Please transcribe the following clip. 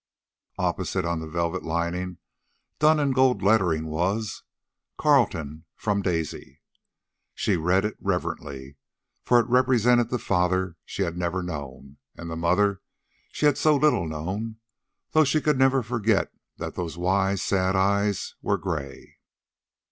Opposite, on the velvet lining, done in gold lettering, was, CARLTON FROM DAISY. She read it reverently, for it represented the father she had never known, and the mother she had so little known, though she could never forget that those wise sad eyes were gray.